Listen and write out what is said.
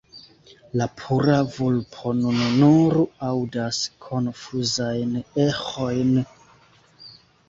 La pura vulpo nun nur aŭdas konfuzajn eĥojn.